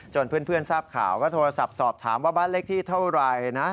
เพื่อนทราบข่าวก็โทรศัพท์สอบถามว่าบ้านเลขที่เท่าไหร่นะ